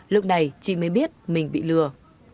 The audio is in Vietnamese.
lúc này chị mới biết mình bị lừa